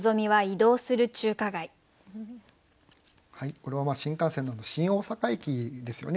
これは新幹線の新大阪駅ですよね